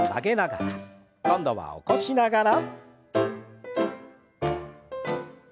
今度は起こしながら。